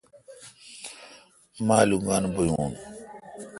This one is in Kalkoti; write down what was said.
مہ الوگان بھویون